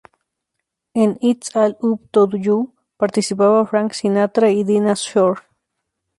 En "It’s All Up to You" participaba Frank Sinatra y Dinah Shore.